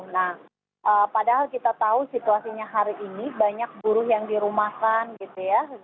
nah padahal kita tahu situasinya hari ini banyak buruh yang dirumahkan gitu ya